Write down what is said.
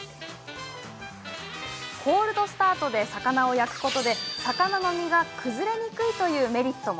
コールドスタートで魚を焼くことで魚の身が崩れにくいというメリットも。